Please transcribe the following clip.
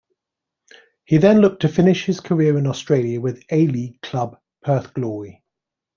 He then looked to finish his career in Australia with A-League club Perth Glory.